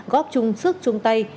góp chung sức chung tay